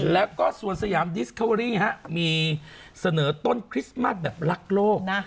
แล้วก็ส่วนสยามดิสคาเวอรี่มีเสนอต้นคริสต์มัสแบบรักโลก